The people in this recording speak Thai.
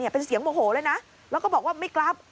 เป็นเสียงโมโหเลยนะแล้วก็บอกว่าไม่กลับ